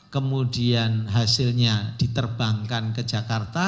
kemudian hasilnya diterbangkan ke jakarta